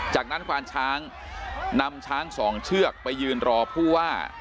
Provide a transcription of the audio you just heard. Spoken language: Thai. จากนั้นควานช้างนำช้างสองเชือกไปยืนรอผู้ว่า